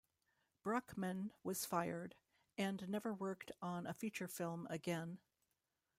Bruckman was fired, and never worked on a feature film again.